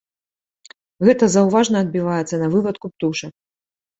Гэта заўважна адбіваецца на вывадку птушак.